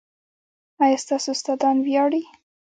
ایا ستاسو استادان ویاړي؟